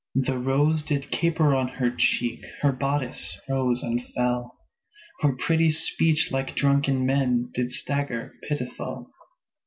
The rose did caper on her cheek, Her bodice rose and fell, Her pretty speech, like drunken men, Did stagger pitiful.